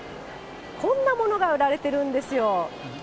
こんなものが売られてるんですよ。